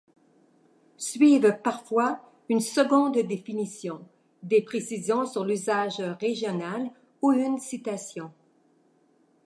Suivent parfois une seconde définition, des précisions sur l’usage régional ou une citation.